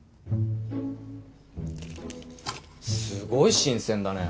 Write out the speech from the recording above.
すごい新鮮だね。